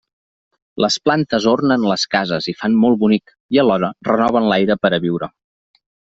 Les plantes ornen les cases i fan molt bonic i, alhora, renoven l'aire per a viure.